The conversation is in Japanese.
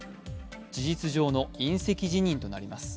事実上の引責辞任となります。